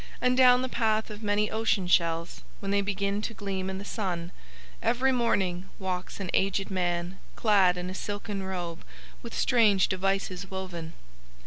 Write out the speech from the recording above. And down the path of many ocean shells when they begin to gleam in the sun, every morning walks an aged man clad in a silken robe with strange devices woven.